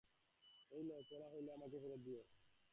এই লও, পড়া হইলে আবার আমাকে ফেরত দিয়ো।